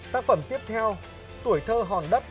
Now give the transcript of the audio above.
tác phẩm tiếp theo tuổi thơ hòn đất